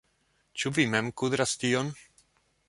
Ĉu vi mem kudras tion?